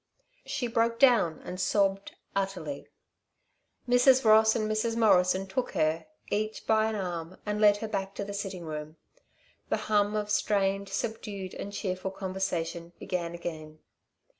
She broke down and sobbed utterly. Mrs. Ross and Mrs. Morrison took her, each by an arm, and led her back to the sitting room. The hum of strained, subdued and cheerful conversation began again.